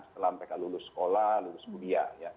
setelah mereka lulus sekolah lulus kuliah